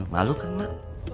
malu kan emak